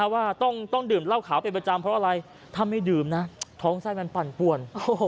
ว่าต้องดื่มเหล้าขาวเป็นประจำเพราะอะไรถ้าไม่ดื่มนะท้องไส้มันปั่นป่วน